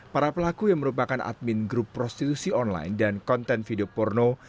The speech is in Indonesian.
para pelaku yang merupakan admin grup prostitusi online dan konten video porno